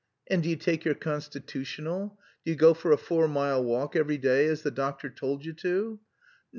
"And do you take your constitutional? Do you go for a four mile walk every day as the doctor told you to?"